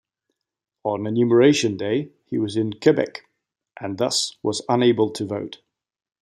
On enumeration day he was in Quebec and thus was unable to vote.